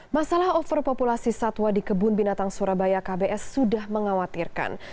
masalah overpopulasi satwa di kebun binatang surabaya kbs sudah mengkhawatirkan